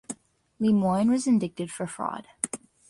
Lemoine was indicted for fraud.